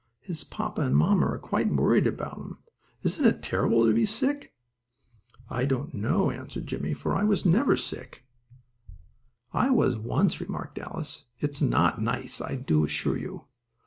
His papa and mamma are quite worried about him. Isn't it terrible to be sick?" "I don't know," answered Jimmie, "for I was never sick." "I was once," remarked Alice, "and it is not nice, I do assure you.